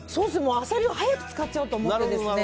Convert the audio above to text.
アサリを早く使っちゃおうと思ってですね。